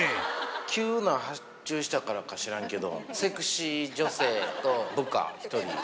急な発注したからか知らんけど、セクシー女性と部下１人。